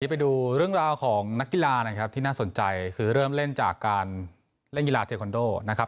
ไปดูเรื่องราวของนักกีฬานะครับที่น่าสนใจคือเริ่มเล่นจากการเล่นกีฬาเทคอนโดนะครับ